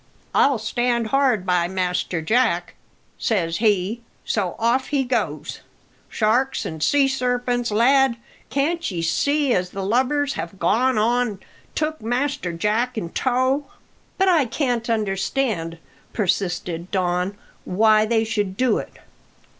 'I'll stand hard by Master Jack,' says he, so off he goes. Sharks an' sea sarpents, lad, can't ye see as the lubbers have only gone an' took Master Jack in tow?" "But I can't understand," persisted Don, "why they should do it."